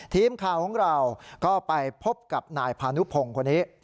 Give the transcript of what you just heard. ทีมข่าวของเราก็ไปพบกับนายพานุพงศ์คนนี้